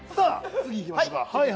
次いきましょう。